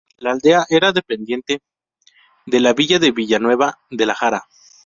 La aldea era dependiente de la villa de Villanueva de la Jara.